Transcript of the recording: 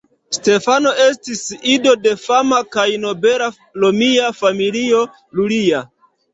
Stefano estis ido de fama kaj nobela romia familio "Iulia".